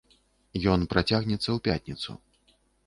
Ён працягнецца ў пятніцу.